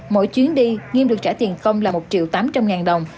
mỗi chuyến đi nghiêm được trả tiền công là một triệu tám trăm linh ngàn đồng